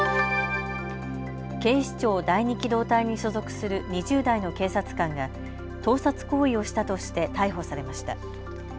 警視庁第２機動隊に所属する２０代の警察官が盗撮行為をしたとして逮捕されました。